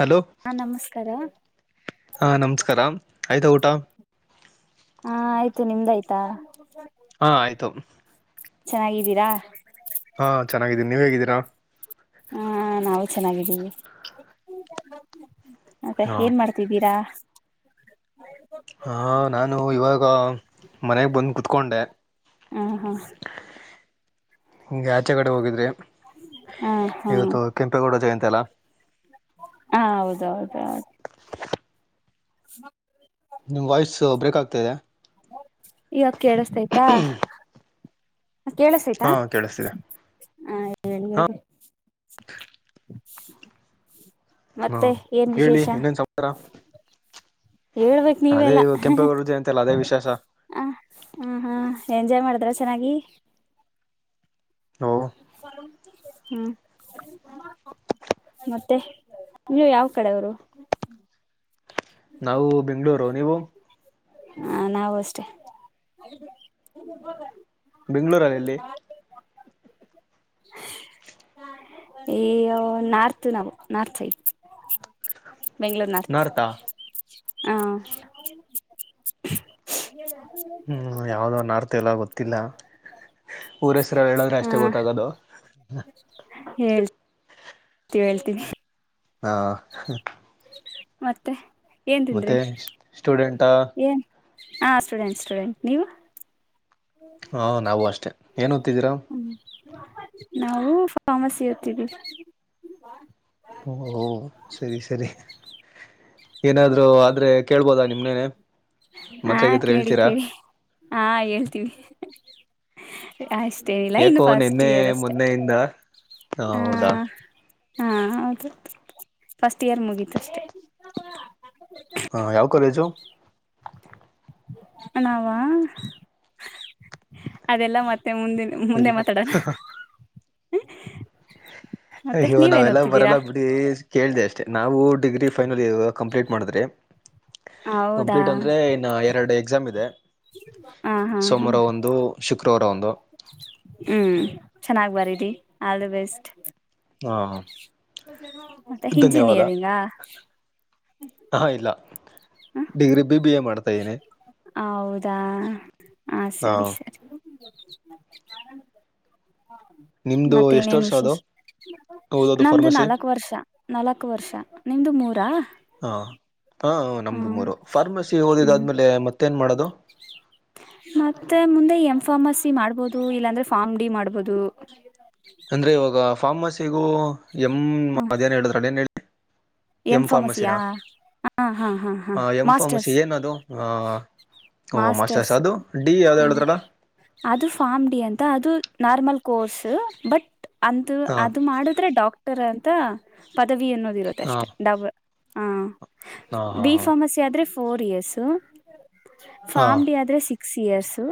Hello ಹಾ ನಮಸ್ಕಾರ ಹಾ ನಮಸ್ಕಾರ ಆಯ್ತಾ ಊಟ. ಹಾ ಆಯ್ತು ನಿಮ್ದಾಯ್ತ. ಹಾ ಆಯ್ತು ಚೆನ್ನಾಗಿದ್ದೀರಾ ಹಾ ಚೆನ್ನಾಗಿದ್ದೀನ್ ನೀವ್ ಹೇಗಿದ್ದೀರ. ಹಾ ನಾವು ಚೆನ್ನಾಗಿದ್ದೀವಿ ಮತ್ತೆ ಹಾ ಏನ್ ಮಾಡ್ ತಿದ್ದೀರಾ ಹಾ ನಾನು ಇವಾಗ ಮನೆಗೆ ಬಂದು ಕುೂತ್ಕೊಂಡೆ. ಹ ಹಾ ಹ ಹಂಗೆ ಆಚೆ ಕಡೆ ಹೋಗಿದ್ರೀ ಹಾ ಹ ಇವತ್ತು ಕೆಂಪೇಗೌಡ ಜಯಂತಿ ಅಲ ಹ ಹೌದೌದು ಹೌದು [unintelligible] ನಿಮ್ ವಾಯ್ಸ್ ಬ್ರೇಕ್ ಆಗ್ತಾ ಇದೆ. ಇವಾಗ ಕೇಳಿಸ್ತೈತಾ ಕೇಳಿಸತೈತ ಹಾ ಕೇಳಿಸ್ತಿದೆ ಹಾ ಹೇಳಿ ಹಾ ಹೇಳಿ ಮತ್ತೆ ಏನ್ ವಿಶೇಷ. ರ ಹೇಳ್ಬೇಕ ಅದೇ ಇವ ಕೆಂಪೇ ಗೌಡ್ರು ಜಯಂತಿ ಅಲ್ಲ ಅದೇ ವಿಶೇಷ. ಅ ಹ್ಮ್ ಹ್ಮ ಎಂಜಾಯ್ ಮಾಡಿದ್ರ ಚೆನ್ನಾಗಿ. ಓ [inaudible] ಹ್ಮ್ ಮತ್ತೆ [unintelligible] ಯಾವ್ ಕಡೆಯರವ್ರು. ನಾವು ಬೆಂಗಳೂರು ನೀವು ಹಾ ನಾವು ಅಷ್ಟೆ ಬೆಂಗಳೂರಲ್ ಎಲ್ಲಿ [inaudible] ಈ ಯೋ ನಾರ್ತ್ ನಾವು ನಾರ್ತ್ ಸೈಡ್. ಬೆಂಗಳೂರು ನಾರ್ತ್ ನಾರ್ತಾ ಹ್ಮ್ [inaudible] ಹ್ಞೂ ಯಾವುದೋ ನಾರ್ತ್ ಎಲ್ಲ ಗೊತ್ತಿಲ್ಲ ಊರೆಸ್ರು ಹೇಳಿದ್ರೆ ಅಷ್ಟೇ ಗೊತ್ತಾಗೋದು. ಹೇಳ್ ತಿವ್ ಹೇಳ್ತೀನಿ. ಆ ಹ್ ಮತ್ತೆ ಏನ್ ಮತ್ತೆ ತಿಂದ್ರಿ ಸ್ಟೂಡೆಂಟಾ ಏನ್ ಹಾ ಸ್ಟೂಡೆಂಟ್ ಸ್ಟೂಡೆಂಟ್ ನೀವು? ಹಾ ನಾವು ಅಷ್ಟೇ ಏನ್ ಓದ್ತಿದ್ದೀರ. ನಾವೂ ಫಾರ್ಮೆಸಿ ಓದ್ತಿದ್ದೀವ್ ಓಹೋ ಸರಿ ಸರಿ ಏನಾದರೂ ಆದ್ರೆ ಕೇಳ್ಬೋದಾ ನಿಮ್ನೆನೆ ಹಾ ಮಾತ್ರೆ ಗೀತ್ರೆ ಕೇಳಿ ಹೇಳ್ತೀರ. ಕೇಳಿ ಹಾ ಹೇಳ್ತೀವಿ. ಅಷ್ಟೇನಿಲ್ಲ ಇನ್ನು ಯಾಕೋ ಫಸ್ಟ್ ನಿನ್ನೆ ಇಯರ್ ಅಷ್ಟೆ ಮೊನ್ನೆಯಿಂದ ಹ ಹಾ. ಹೌದಾ ಹಾ ಹೌದು ಫಸ್ಟ್ ಇಯರ್ ಮುಗೀತ್ ಅಷ್ಟೇ. [inaudible] ಹಾ ಯಾವ್ ಕಾಲೇಜು. ಅ ನಾವಾ ಅದೆಲ್ಲ ಮತ್ತೆ ಮುಂದಿನ ಮುಂದೆ ಅಯ್ಯೋ ಮಾತಾಡೋಣ. ಮತ್ತೆ ಅಯ್ಯೋ ನೀವೇನ್ ನಾವೆಲ್ಲ ಓದ್ತಿದ್ದೀರಾ ಬರಲ್ಲ ಬಿಡಿ ಕೇಳಿದೆ ಅಷ್ಟೇ ನಾವು ಡಿಗ್ರಿ ಫೈನಲ್ ಇಯರ್ ಕಂಪ್ಲೀಟ್ ಮಾಡಿದ್ರೆ. ಹೌದಾ ಕಂಪ್ಲೀಟ್ ಅಂದ್ರೆ ಇನ್ನು ಎರಡು ಎಕ್ಸಾಮ್ ಇದೆ ಹಾ ಹಾ ಹಾ ಸೋಮಾರ ಒಂದು ಶುಕ್ರವಾರ ಒಂದು ಹ್ಮ್ ಚೆನ್ನಾಗ್ ಬರಿರೀ ಆಲ್ ದಿ ಬೆಸ್ಟ್. ಹಾ ಹಾ ಮತ್ತೆ ಇಂಜಿನಿಯರಿಂಗಾ ಹಾ ಇಲ್ಲ ಹ ಡಿಗ್ರಿ ಬಿ ಬಿ ಎ ಮಾಡ್ತಾ ಇದೀನಿ. ಹೌದಾ ಹ ಹಾ ಸರಿ ಸರಿ. [unintelligible] ನಿಮ್ದು ಎಷ್ಟು ಮತ್ತೆನೇನ್ ವರ್ಷ ಅದು ವಿಶೇಷ ಓದೋದು ನಮ್ದು ಫಾರ್ಮಸಿ ನಾಲ್ಕ್ ವರ್ಷ. ನಾಲಕ್ಕು ವರ್ಷ ನಿಮ್ದು ಮೂರ. ಹ ಹಾ ಹ ನಮ್ದು ಮೂರು ಫಾರ್ಮಸಿ ಹ್ಮ್ ಓದಿದಾದ್ಮೇಲೆ ಮತ್ತೇನ್ ಮಾಡೋದು. ಮತ್ತೆ ಮುಂದೆ ಎಂ ಫಾರ್ಮಸಿ ಮಾಡ್ಬೋದು ಇಲ್ಲಾಂದ್ರೆ ಫಾರ್ಮ್ ಡಿ ಮಾಡ್ಬೋದು. ಅಂದ್ರೆ ಇವಾಗ ಫಾರ್ಮಸಿಗು ಎಮ್ ಹ ಅದೇನೋ ಹೇಳಿದ್ರಲ ಏನ್ ಹೇಳಿ [unintelligible] ಎಂ ಫ್ಮಸಿಯಾ ಹಾ ಹಾ ಹಾ ಹಾ ಎಂ ಫಾರ್ಮಸಿ ಮಾಸ್ಟರ್ಸ್. ಏನದು ಆ, ಓ ಮಾಸ್ಟರ್ಸ್ ಅದು ಡಿ ಯಾವ್ದು ಹ್ಮ. ಹೇಳಿದ್ರಲ್ಲ ಅದು ಫಾರ್ಮ್ ಡಿ ಅಂತ ಅದು ನಾರ್ಮಲ್ ಕೋರ್ಸು ಬಟ್. ಅಂತು ಹಾ ಅದು ಮಾಡಿದ್ರೆ ಡಾಕ್ಟರ್ ಅಂತ ಪದವಿ ಅನ್ನೋದ್ ಇರುತ್ತೆ ಹಾ ಅಷ್ಟೆ. ಅ-ಹಾಂ ಹಾ ಹಾ ಬಿ ಫಾರ್ಮಸಿ ಆದ್ರೆ ಫೋರ್ ಇಯರ್ಸು. ಹಾ ಫಾಮ್ಲಿ ಆದ್ರೆ ಸಿಕ್ಸ್ ಇಯರ್ಸು.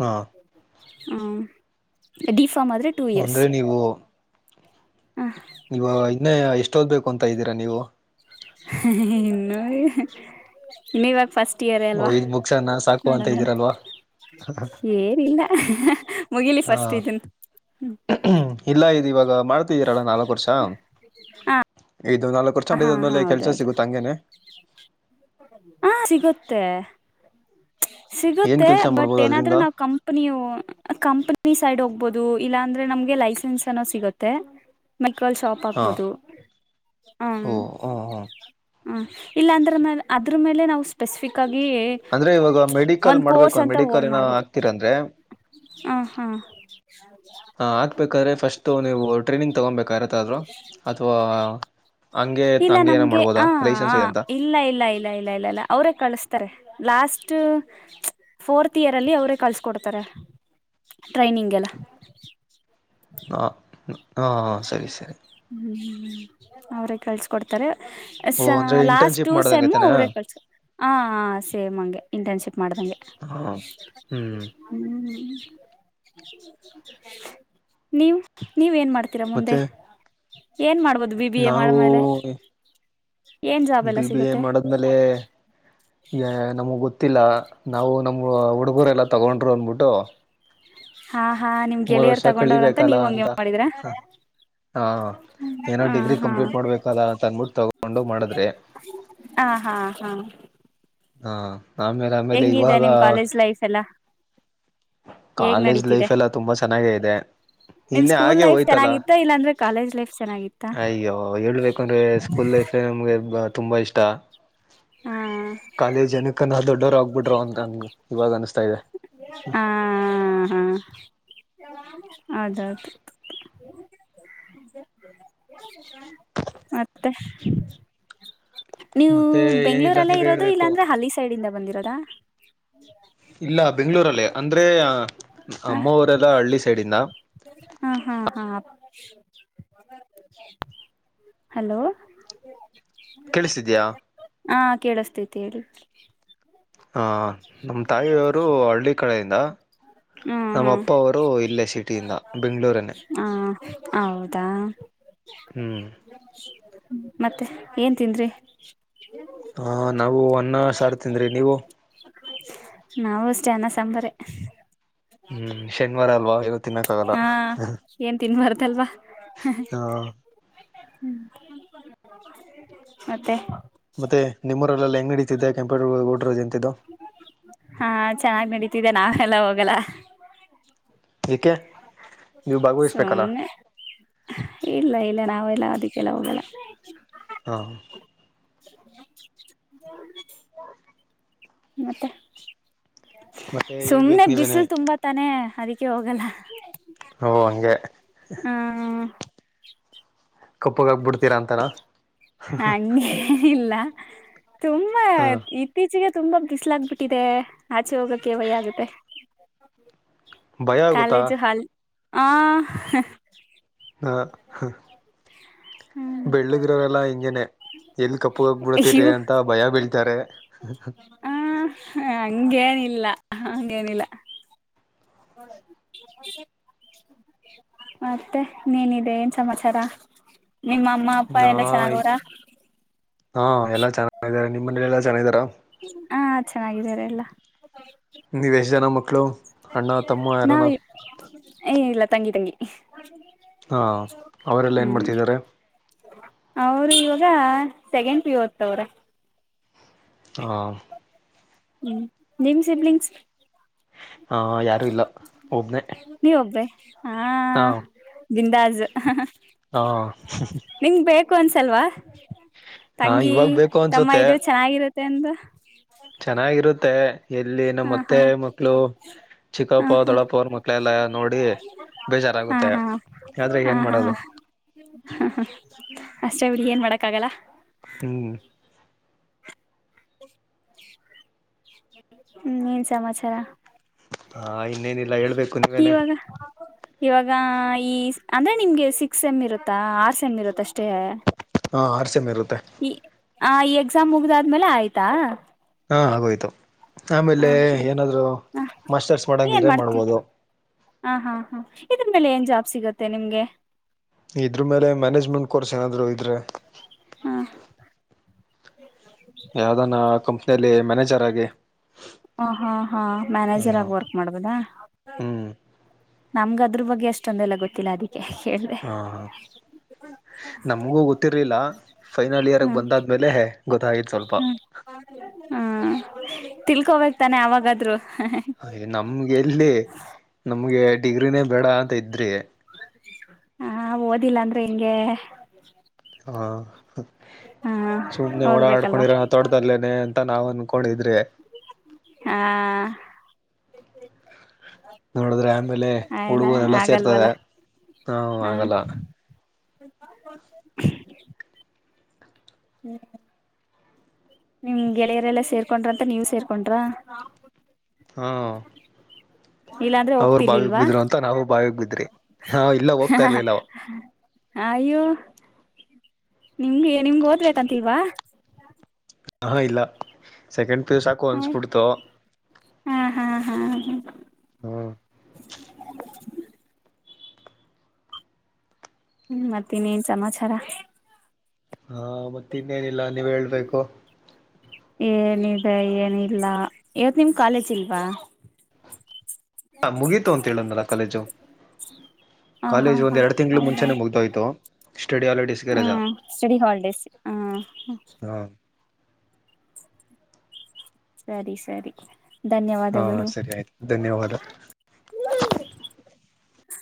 ಹಾ. ಹ್ಮ ಡಿಫಾಮ್ ಆದ್ರೆ. ಟೂ ಇಯರ್ಸ್ ಅಂದ್ರೆ ನೀವು ಹ ನೀವು ಇನ್ನೇ ಎಷ್ಟೋದ ಬೇಕು ಅಂತ ಇದ್ದೀರಾ ನೀವು. ಇನ್ನು ನೀವಾಗ ಫಸ್ಟ್. ಿಯರ ಓ, ಅಲ್ವಾ ಇದ್ ಮುಗಸಣ ಸಾಕು ನೋಡ ಅಂತ ನೋಡ. ಇದ್ದೀರಲ್ವಾ ೇರಿಲ್ಲ ಮುಗಿಲಿ ಫಸ್ಟ್ ಇದನ್. ್ಮ ಇಲ್ಲ ಇದು ಇವಾಗ ಮಾಡ್ತಿದ್ದೀರಲ್ಲ ನಾಲ್ಕು ವರ್ಷ ಇದು ನಾಲ್ಕು. ಹಾ ಹಾ ಕುರ್ಿದಾದ್ಮೇಲೆ ಕೆಲ್ಸ ಹೌದೌದು ಸಿಗುತ್ತ ಹಂಗೇನೆ. ಹ ಸಿಗುತ್ತೆ ಏನ್ ಸಿಗುತ್ತೆ ಕೆಲ್ಸ ಬಟ್ ಮಾಡ್ಬೋದು ಏನಾದ್ೂ ಅದ್ರಿಂದ ನಾವ್ ಕಂ. ನೀವು ಕಂಪನಿ ಸೈಡ್ ಹೋಗ್ಬಹುದು ಇಲ್ಲಾ ಅಂದ್ರೆ ನಮ್ಗೆ ಲೈಸೆನ್ಸ್ ಅನ್ನೋ ಸಿಗುತ್ತೆ. ಮೆಕ್ರಾಲ್ ಶಾಪ್ ಹಾ ಆಗ್ಬೋದು ಹ. ಹಂ ಓ ಹ್ಮ್ ಹ್ಮ್ ಇಲ್ಲ ಅಂದ್ರೆ ಮ ಅದ್ರ ಮೇಲೆ ನಾವು ಸ್ಪೆಸಿಫಿಕ್ಕಾಗಿ. ಅಂದ್ರೆ ಇವಾಗ ಮೆಡಿಕಲ್ ಮಾಡ್ಬೇಕುಂದ ಮೆಡಿಕಲ್ ಏನೋ ಮಾಡ್ಬೋದು ಹಾಕ್ತಿೀರ ಅಂದ್ರೆ. ಹ ಹಾ. ಹಾ ಹಾಕ್ಬೇಕಾದ್ರೆ ಫಸ್ಟು ನೀವು ಟ್ರೈನಿಂಗ್ ತಗೊಬೇಕಾಗಿರತ್ತಾದರೂ ಅಥವಾ. ಹಂಗೆ ಇಲ್ಲ ಹಂಗೆ ಏನೋ ನಮ್ಗೆ ಮಾಡ್ಬೋದಾ ಆ ಹ ಲೈಸೆನ್ಸ್ ಇದೆ ಅಂತ ಇಲ್ಲ ಇಲ್ಲ ಇಲ್ಲ. ಇಲ್ಲ ಇಲ್ಲ ಇಲ್ಲ ಇಲ್ಲ ಅವರೇ ಕಳಿಸ್ತಾರೆ ಲಾಸ್ಟ್. ಫೋರ್ತ್ ಇಯರ್ ಅಲ್ಲಿ ಅವರೇ ಕಳ್ಸ್ಕೊಡ್ತಾರೆ ಟ್ರೈನಿಂಗ್ ಎಲ್ಲ. ಹಾಂ ಹಾಂಾ ಸರಿ ಸರಿ. ಹ್ಮ್ ಹ್ಮ್ ಅವ್ರೇ ಕಳ್ಸಕೊಡ್ತಾರೆ. ಓ ಸ ಅಂದ್ರೆ ಲಾಸ್ಟ್ ಇಂಟರ್ನ್ಶಿಪ್ ಟು ಸ ಎಮ್ಮು ಮಾಡ್ದಂಗೈತಾನೆ ಅವರೇ ಕಳ್ಸ. ಹ ಸೇಮ್ ಹಂಗೆ ಇಂಟರ್ನ್ಶಿಪ್ ಮಾಡ್ದಂಗೆ. ಹಾ ಹ್ಮ್. ಹ್ಮ್ ನೀವ್ ನೀವ ಏನ್ ಮಾಡ್. ಮುಂದೆ ಮತ್ತೆ ಏನ್ ಮಾಡ್ಬೋದು. ಬಿ ಬಿ ಎ ಮಾಡ ನಾವು ಮಳೆ ಏನ್ ಜಾಬ್ ಎಲ್ಲ ಸಿಗುತ್ತೆ. ಆದ್ಮೇಲೆ ನಮಗ್ ಗೊತ್ತಿಲ್ಲ ನಾವು ನ. ಹುಡುಗರೆಲ್ಲ ತೊಗೊಂಡ್ರು ಅಂದ್ಬಿಟ್ಟು. ಹಾ ಹಾ ನಿಮ್ ಮೂರ್ ಗೆಳೆಯರ್ ವರ್ಷ ತಗೊಂಡವ್ರ ಕಳಿಬೇಕಲ್ಲ ನೀವ್ ಅಂತ. ಹಂಗೆ ಮಾಡಿದ್ರ ಹಾ ಏನೋ ಹ ಡಿಗ್ರಿ ಹಾ ಕಂಪ್ಲೀಟ್ ಮಾಡ್ಬೇಕಲ್ಲ ಅಂತಂದ್ಬಿಟ್ಟು ತಗೊಂಡು ಮಾಡಿದ್ರೆ. ಹಾ ಹಾ ಹಾ. ಹಾ ಆಮೇಲೆ ಆಮೇಲೆ ಹೆಂಗಿದೆ ಇವಾಗ. ನಿಮ್ ಕಾಲೇಜ್ ಲೈಫ್ ಎಲ್ಲಾ ಹೇಗ್ ಕಾಲೇಜ್ ನಡೀತಿದೆ ಲೈಫ್ ಎಲ್ಲ ತುಂಬಾ ಚೆನ್ನಾಗೇ ಇದೆ ನಿಮ್ ನಿನ್ನೆ ಸ್ಕೂಲ್ ಹಾಗೆ ಲೈಫ್ ಹೋಯ್ತಲ್ಲ. ಚೆನ್ನಾಗಿತ್ತ ಇಲ್ಲಾಂದ್ರೆ ಕಾಲೇಜ್ ಲೈಫ್ೆನ್ನಾಗಿತ್ತು. ಅಯ್ಯೋ ಹೇಳ್ಬೇಕಂದ್ರೆ ಸ್ಕೂಲ್ ಲೈಫ್ ನಮ್ಗೆ ತುಂಬಾ ಇಷ್ಟ. ಹಾ ಕಾಲೇಜ್ ಜನಕ ನಾ ದೊಡ್ಡೋರು ಆಗ್ಬಿಟರು ಅಂತನ್ ಇವಾಗ ಅನ್ಿಸ್ತಾ ಇದೆ. ಹಾ ಹಾ. ಆದದದು. ಮತ್ತೆ ನೀವು ಮತ್ತೆ ಏನಿಲ್ಲ ಬೆಂಗಳೂರಲ್ಲೇ ನೀವೇ ಇರೋದು ಹೇಳ್ಬೇಕು ಇಲ್ಲಾಂದ್ರೆ ಹಲ್ಲಿ ಸೈಡಿಂದ ಬಂದಿರೋದ? ಇಲ್ಲ ಬೆಂಗಳೂರಲ್ಲೇ ಅಂದ್ರೆ ಆ ಆ ಹಾ ಹಾ ಹಾ ಅಪ್ ಹಲೋ ಕೇಳಿಸಿದ್ಯಾ ಹಾ ಕೇಳಿಸ್ತೈತಿ ಹೇಳಿ. ಹ ಅ ನಮ್ ತಾಯಿಯವ್ರು ಹಳ್ಳಿ ಕಡೆಯಿಂದ. ನಮ್ಮ ಅಪ್ಪ ಅವ್ರು ಇಲ್ಲೇ ಸಿಟಿಯಿಂದ ಬೆಂಗಳೂರನೇ ಆ ಹೌದಾ ಹ್ಮ್ ಮತ್ತೆ ಏನ್ ತಿಂದ್ರಿ ಹಾ ನಾವು ಅನ್ನ ಸಾರ್ ತಿಂದ್ರಿ ನೀವು. ನಾವು ಅಷ್ಟೇ ಅನ್ನ ಸಾಂಬಾರೆ. ಹ್ಮ್ ಶನಿವಾರ ಅಲ್ವಾ ಇವ ತಿನ್ನಕ್ಕ ಆಗಲ್ಲ ಹಾ ಏನ್ ತಿನ್ಬಾರದಲ್ವಾ ಹ ಹ್ ಹ್ಮ್ ಮತ್ತೆ ಮತ್ತೆ ನಿಮ್ಮುರಲ್ಲೆಲ್ಲ ಹೆಂಗ್ ನಡೀತಿದೆ ಕೆಂಪೇ ಗೌ ಗೌಡ್ರ ಜಯಂತಿದು. ಹಾ ಚೆನ್ನಾಗ್ ನಡೀತಿದ್ದೆ ನಾವೆಲ್ಲ ಹೋಗಲ್ಲ. ಯಾಕೆ ಸುಮ್ಮ್ನೆ ಇಲ್ಲ ಇಲ್ಲ ನಾವೆಲ್ಲ ಅದಿಕ್ಕೆಲ್ಲ ಹೋಗಲ್ಲ. ಹಾ. ಮತ್ತೆ ಮತ್ತೆ ಸುಮ್ಮ್ನೆ ಹೇಳ್ಬೇಕು ನೀವೇನೆ ಬಿಸಿಲು ತುಂಬಾ ತಾನೆ ಅದಿಕ್ಕೆ ಹೋಗಲ್ಲ. ಓ ಹಂಗೆ ಹಾ ಅ ಕಪ್ಪುಗ್ ಆಗ್ ಬಿಡ್ತೀರ ಅಂತನ ಹ್ ಹ್ ಹ್ ಇಲ್ಲ ತುಂಬಾ ಇ ಇತ್ತೀಚೆಗೆ ತುಂಬಾ ಬಿಸ್ಲಾಗ್ ಬಿಟ್ಟಿದೆ ಆಚೆ ಹೋಗಕ್ಕೆ ಭಯ ಆಗುತ್ತೆ. ಭಯ ಆಗುತ್ತಾ ಕಾಲೇಜು ಹಾಲ್ ಆ ಹಃ. ಆ ಹ್ ಬೆಳ್ಳಗಿರೋರೆಲ್ಲಾ ಹಿಂಗೇನೆ ಎಲ್ಲಿ ಕಪ್ಪು ಅಗ್ ಬಿಡತೀರಿ ಅಯ್ಯೋ ಅಂತ ಭಯ ಬೀಳ್ತಾರೆ. ಆ ಹ್ ಹಂಗೇನಿಲ್ಲ ಹಂಗೇನಿಲ್ಲ. [inaudible] ಮತ್ತೆ ಇನ್ನೆನಿದೆ ಏನ್ ಸಮಾಚಾರ ನಿಮ್ಮಮ್ಮ ಅಪ್ಪ ನಾ ಎಲ್ಲ ಚೆನ್ನಾಗವ್ರ. ಹಾ ಎಲ್ಲಾ ಚೆನ್ನಾಗಿದಾರೆ ನಿಮ್ ಮನೇಲೆಲ್ಲ ಎಲ್ಲಾ ಚನ್ನಾಗಿದಾರ. ಹಾ ಚೆನ್ನಾಗಿದ್ದಾರೆಲ್ಲ ನೀವು ಎಷ್ಟ್ ಜನ ಮಕ್ಕಳು ಅಣ್ಣ ತಮ್ಮ ಯಾರಾನ ನಾವ್ ಏ ಇಲ್ಲ ತಂಗಿ ತಂಗಿ ಹಾ ಅವರೆಲ್ಲ ಏನ್ ಹ್ಮ್ ಮಾಡ್ತಿದ್ದಾರೆ ಅವ್ರು ಇವಾಗ ಸೆಕೆಂಡ್ ಪಿ ಯು ಓದ್ತವ್ರೆ ಹಾ ಹ್ಮ್ ನಿಮ್ ಸಿಬ್ಲಿಂಗ್ಸ್ ಹಾ ಯಾರೂ ಇಲ್ಲ ಒಬ್ನೇ ನೀವ್ ಒಬ್ರೇ ಹಾ ಹಾ ಬಿಂದಾಜ್ ಅಹ್ ಹ್ ಹಾ ಹ್ಮ್ ಹ್ಮ್ ನಿಮ್ಗ್ ಬೇಕು ಅನ್ಸಲ್ವಾ ಹಾ ತಂಗಿ ಇವಾಗ ಬೇಕು ತಮ್ಮ ಅನ್ಸುತ್ತೆ ಇದ್ರ ಚೆನ್ನಾಗಿರುತ್ತೆ ಅಂದು ಚೆನ್ನಾಗಿರುತ್ತೆ ಎಲ್ಲಿ ನಮ್ಮ ಹಾ ಮತ್ತೆ ಹಾ ಮಕ್ಕಳು ಹಾ ಚಿಕ್ಕಪ್ಪ ದೊಡ್ಡಪ್ಪ ಅವ್ರ್ ಮಕ್ಳೆಲ್ಲ ನೋಡಿ ಹಾ ಬೇಜಾರಾಗುತ್ತೆ. ಹಾ ಆದ್ರೆ ಹಾ ಏನು ಹಾ ಮಾಡೋದು. ಹಾ ಹ ಅಷ್ಟೇ ಬಿಡಿ ಏನ್ ಮಾಡಕ್ ಆಗಲ್ಲ. ಹ್ಮ್ ಹ್ಮ ಇನ್ನೇನ್ ಸಮಾಚಾರ. ಹಾ ಇನ್ನೇನಿಲ್ಲ ಹೇಳ್ಬೇ ಇವಾಗ ಇವಾಗ ಈಸ್ ಅಂದ್ರೆ ನಿಮ್ಗೆ ಸಿಕ್ಸ್ ಎಮ್ ಇರುತ್ತಾ ಆರ್ ಸೆಮ್ ಇರುತ್ ಅಷ್ಟೇ. ಹಾ ಆರ್ ಸೆಮ್ ಇರುತ್ತೆ. ಈ ಆ ಎಕ್ಸಾಮ್ ಮುಗ್ದಾದ್ಮೇಲೆ ಆಯ್ತ. ಹಾ ಆಗೋಯ್ತು ಆಮೇಲೆ ಹ ಏನಾದ್ರು ಹ ಮಾಸ್ಟರ್ಸ್ ಏನ್ ಮಾಡಂಗಿದ್ರೆ ಮಾಡ್ತಿ ಮಾಡ್ಬೋದು. ಹ ಹಾ ಹಾ ಇದ್ರ್ ಮೇಲೆ ಏನ್ ಜಾಬ್ ಸಿಗುತ್ತೆ ನಿಮ್ಗೆ. ಇದ್ರ್ ಮೇಲೆ ಮ್ಯಾನೆಜ್ಮೆಂಟ್ ಕೋರ್ಸ್ ಏನಾದ್ರು ಇದ್ರೆ ಹ್ಮ್ ಯಾವ್ದಾನ ಕಂಪ್ನಿಯಲ್ಲಿ ಮ್ಯಾನೇಜರ್ ಆಗಿ ಹ ಹಾ ಹಾ ಹಾ ಮ್ಯಾನೇಜರ್ ಆಗ್ ವರ್ಕ್ ಮಾಡ್ಬೋದಾ ಹ್ಮ್ ನಮ್ಗ ಅದ್ರು ಬಗ್ಗೆ ಅಷ್ಟೊಂದೆಲ್ಲ ಗೊತ್ತಿಲ್ಲ ಅದಿ ಹಾ ಹಾ ನಮ್ಗೂ ಗೊತ್ತಿರಲಿಲ್ಲ ಫೈನಲ್ ಇಯರ್ಗೆ ಹ್ಮ ಬಂದಾದ್ಮೇಲೆ ಗೊತ್ತಾಗಿದ್ ಸ್ವಲ್ಪ. ಹ್ಮ ತಿಲ್ಕೋಬೇಕ್ತಾನೆ ಅವಾಗಾದ್ರು. ಹಾ ನಮ್ಗೆ ಎಲ್ಲಿ ನಮ್ಗೆ ಡಿಗ್ರಿನೇ ಬೇಡ ಅಂತ ಇದ್ರಿ ಹ ಓದಿಲ್ಲ ಅಂದ್ರೆ ಹಿಂಗೆ [inaudible] ಹಾ ಹಾ ಸುಮ್ನೆ ಓಡಾ ಓದ್ಬೇಕಲ್ವಾ ಆಡ್ಕೊಂಡಿರ [unintelligible] ಲ್ಲೇನೆ ಅಂತ ನಾವ್ ಅನ್ಕೊಂಡಿದ್ರಿ ಹಾ ನೋಡಿದ್ರೆ ಆಮೇಲೆ ಆಯಲ್ಲಾ ಹುಡುಗರೆಲ್ಲ ಸೇರ್ತದೆ ಆಗಲ್ವಲ್ಲ ಹಾ ಹ್ಮ ಆಗಲ್ಲ [inaudible] ಹ್ಮ್ ನಿಮ್ಗೆ ಗೆಳೆಯರೆಲ್ಲ ಸೇರ್ಕೊಂಡ್ರಂತ ನೀವು ಸೇರ್ಕೊಂಡ್ರ. ಹ್ಮ್ ಇಲ್ಲಾಂದ್ರೆ ಹೋಗ್ತಿಲಿಲ್ವಾ ಬಿದ್ರು ಅಂತ ನಾವು ಬಾವಿಗೆ ಬಿದ್ರಿ ಹಾ ಇಲ್ಲ ಅಹ್ ಹೋಗ್ತಾ ಹ ಇರ್ಲಿಲ್ಲ ಹ್ ಅ ಅಯ್ಯೋ ನಿಮ್ಗೆ ನಿಮ್ಗ್ ಓದ್ಬೇಕಂತಿಲ್ವ. ಹಾ ಇಲ್ಲ ಸೆಕೆಂಡ್ ಪಿ ಯು ಸಾಕು ಹ ಅನ್ಸ್ಬಿಡ್ತು. ಹಾ ಹಾ ಹಾ ಹಾ ಹ್ಮ ಹ್ಮ್ ಮತ್ತಿನ್ನೇನ್ ಸಮಮಾಚಾರ. ಹಾ ಮತ್ ಇನ್ನೇನಿಲ್ಲ ನೀವ್ ಹೇಳ್ಬೇಕು ಏನಿದೆ ಏನ ಇಲ್ಲ ಇವತ್ ನಿಮ್ ಕಾಲೇಜ್ ಇಲ್ವ. ಹಾ ಮುಗೀತು ಅಂತ ಹೇಳುದ್ನಲ ಕಾಲೇಜು. ಹ ಹಾ ಕಾಲೇಜ್ ಒಂದ್ ಹಾ ಎರಡು ತಿಂಗ್ಳು ಮುಂಚೆನೆ ಮುಗ್ದೋಯ್ತು ಸ್ಟಡಿ ಹಾಲಿಡೇಸ್ ಹ ಸ್ಟಡಿ ಹಾಲಿಡೇಸ್ ಅಹ್ ಹ್ ಹಾ ಸರಿ ಸರಿ ಹಾ ಧನ್ಯವಾದಗಳು ಸರಿ ಆಯ್ತು ಧನ್ಯವಾದ.